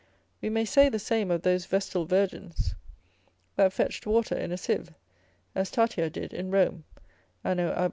we may say the same of those vestal virgins that fetched water in a sieve, as Tatia did in Rome, _anno ab.